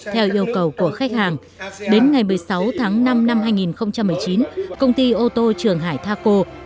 theo yêu cầu của khách hàng đến ngày một mươi sáu tháng năm năm hai nghìn một mươi chín công ty ô tô trường hải taco